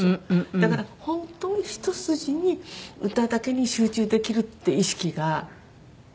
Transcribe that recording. だから本当にひと筋に歌だけに集中できるって意識がなくて。